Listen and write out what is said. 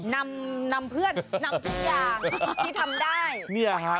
นำเพื่อนนำทุกอย่างที่ทำได้